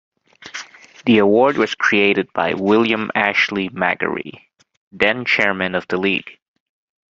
The award was created by William Ashley Magarey, then chairman of the league.